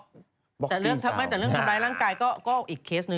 แต่เรื่องทำร้ายร่างกายก็อีกเคสหนึ่งใช่ไหม